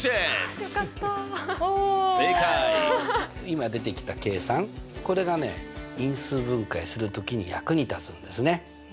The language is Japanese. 今出てきた計算これがね因数分解する時に役に立つんですね。